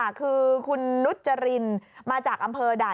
แอบนึง๑๓คำสมัว